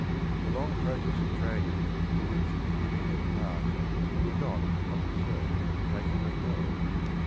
The long process of training throiis^h which Endymion had passed could not of itself make him a poet.